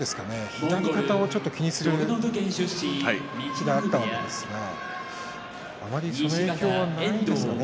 左肩をちょっと気にするところがあったんですがあまりその影響はないですかね